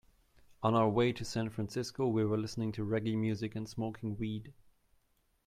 On our way to San Francisco, we were listening to reggae music and smoking weed.